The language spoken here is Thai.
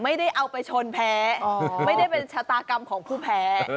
ไม่ได้เอาไปชนแพ้ไม่ได้เป็นชะตากรรมของผู้แพ้